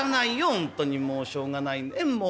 本当にもうしょうがないねえもう。